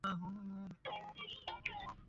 ওটা কোথায় রেখেছি?